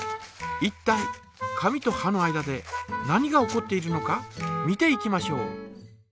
いったい紙とはの間で何が起こっているのか見ていきましょう。